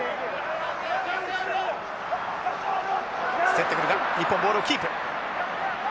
競ってくるが日本ボールをキープ。